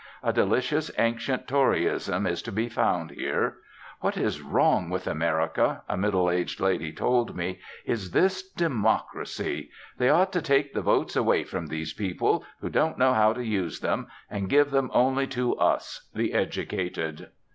A delicious ancient Toryism is to be found here. "What is wrong with America," a middle aged lady told me, "is this Democracy. They ought to take the votes away from these people, who don't know how to use them, and give them only to us, the Educated."